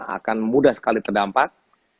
akan mudah sekali terdampak